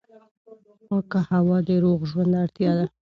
پاکه هوا د روغ ژوند اړتیا ده.